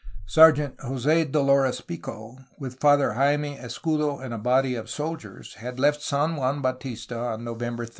Sergeant Jos6 Dolores Pico, with Father Jaime Escudo and a body of soldiers, had left San Juan Bautista on Novem ber 3.